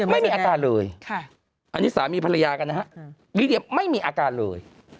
ไม่มีอาการเลยอันนี้สามีภรรยากันนะฮะลิเดียไม่มีอาการเลย